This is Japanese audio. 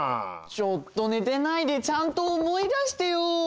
ちょっとねてないでちゃんとおもい出してよ。